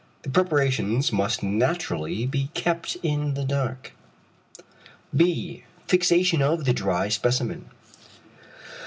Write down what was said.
The preparations must naturally be kept in the dark. [beta]. Fixation of the dry specimen.